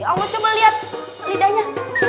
ya allah coba lihat lidahnya